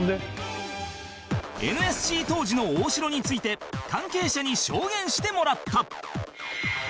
ＮＳＣ 当時の大城について関係者に証言してもらった